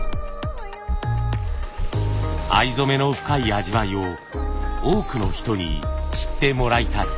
藍染めの深い味わいを多くの人に知ってもらいたい。